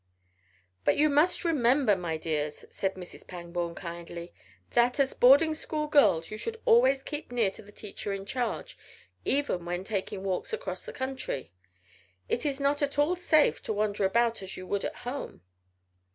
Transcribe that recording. "But you must remember, my dears," said Mrs. Pangborn kindly, "that, as boarding school girls, you should always keep near to the teacher in charge even when taking walks across the country. It is not at all safe to wander about as you would at home.